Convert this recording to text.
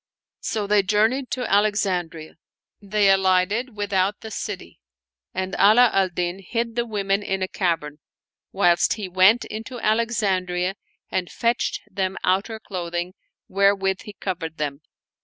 • So they journeyed to Alexandria. They alighted with lout the city and Ala al Din hid the women in a cavern, whilst he went into Alexandria and fetched them outer clothing, wherewith he covered them.